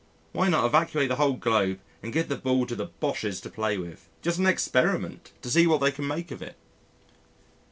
Why not evacuate the whole globe and give the ball to the Boches to play with just as an experiment to see what they can make of it.